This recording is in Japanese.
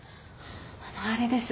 あのあれです